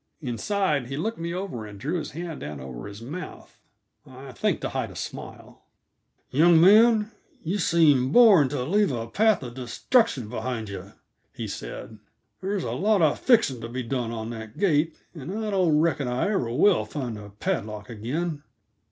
Inside, he looked me over and drew his hand down over his mouth; I think to hide a smile. "Young man, yuh seem born to leave a path uh destruction behind yuh," he said. "There's a lot uh fixing to be done on that gate and I don't reckon I ever will find the padlock again."